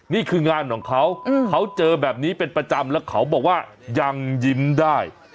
นี่คืองานของเขาเขาเจอแบบนี้เป็นประจำแล้วเขาบอกว่ายังยิ้มได้